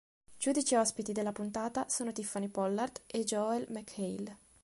Giudici ospiti della puntata sono Tiffany Pollard e Joel McHale.